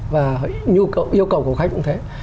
và yêu cầu của khách cũng thế